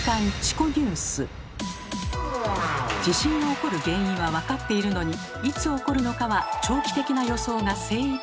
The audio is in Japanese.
地震が起こる原因は分かっているのにいつ起こるのかは長期的な予想が精いっぱい。